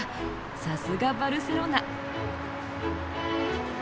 さすがバルセロナ。